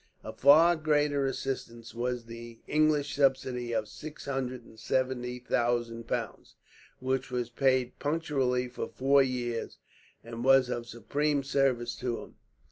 A far greater assistance was the English subsidy of 670,000 pounds, which was paid punctually for four years, and was of supreme service to him.